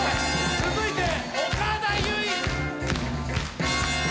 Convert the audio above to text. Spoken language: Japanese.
続いて岡田結実。